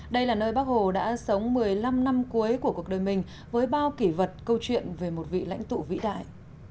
đây là nơi bác hồ đã sống một mươi năm năm cuối của cuộc đời mình với bao kỷ vật câu chuyện về một vị lãnh tụ vĩ đại